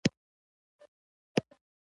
خلکو وژړل او ژړا په کوکو واوښته.